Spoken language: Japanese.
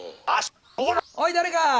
おい誰か！